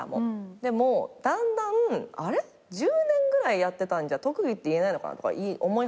でもだんだん１０年ぐらいじゃ特技って言えないのかなとか思い始めて。